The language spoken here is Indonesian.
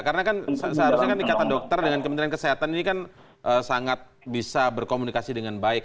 karena kan seharusnya kan dikata dokter dengan kementerian kesehatan ini kan sangat bisa berkomunikasi dengan baik